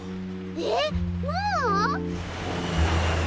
えっもう？